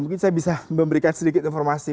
mungkin saya bisa memberikan sedikit informasi